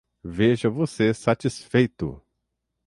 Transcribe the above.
Veja você satisfeito!